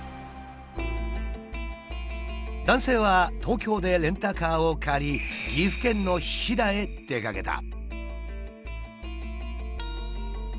男性は東京でレンタカーを借り岐阜県の飛騨へ出かけた。